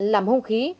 làm hông khí